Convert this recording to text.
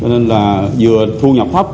nên là vừa thu nhập hấp